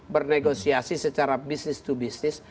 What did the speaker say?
bernegosiasi secara business to business